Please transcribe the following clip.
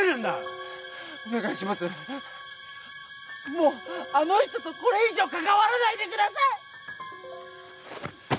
もうあの人とこれ以上関わらないでください。